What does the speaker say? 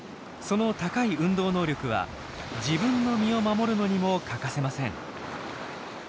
その高い運動能力は自分の身を守るのにも欠かせません。